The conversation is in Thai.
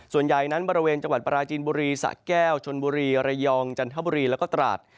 ส่วนใหญ่นั้นบริเวณจังหวัดปราจีนบุรีสะแก้วชนบุรีระยองจันทบุรีแล้วก็ตราด